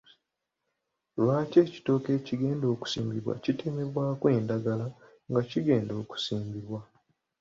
Lwaki ekitooke ekigenda okusimbibwa kitemwaka endagala nga kigenda okusibmbiwa?